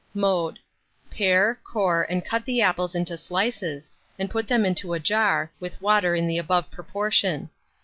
Mode. Pare, core, and cut the apples into slices, and put them into a jar, with water in the above proportion.